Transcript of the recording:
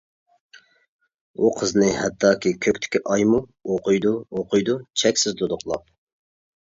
ئۇ قىزنى ھەتتاكى كۆكتىكى ئايمۇ ئوقۇيدۇ، ئوقۇيدۇ، چەكسىز دۇدۇقلاپ.